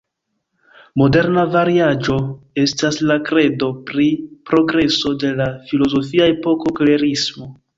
Moderna variaĵo estas la kredo pri progreso de la filozofia epoko klerismo.